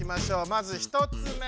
まず１つ目。